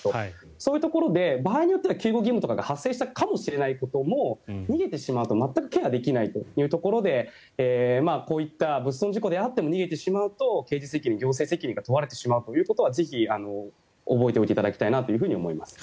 そういうところで場合によっては救護義務などが発生したかもしれないことも逃げてしまうと全くケアできないというところでこういった物損事故であっても逃げてしまうと刑事責任、行政責任が問われてしまうということはぜひ覚えておいていただきたいなと思います。